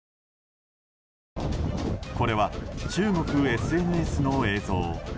これは中国ＳＮＳの映像。